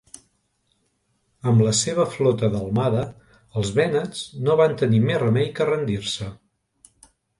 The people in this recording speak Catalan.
Amb la seva flota delmada, els vènets no van tenir més remei que rendir-se.